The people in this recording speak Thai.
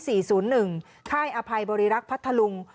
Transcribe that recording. ค่ายอภัยบริรักษ์พัทธลุง